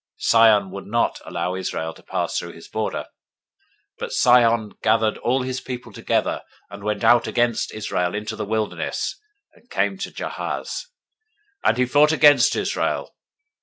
021:023 Sihon would not allow Israel to pass through his border: but Sihon gathered all his people together, and went out against Israel into the wilderness, and came to Jahaz; and he fought against Israel.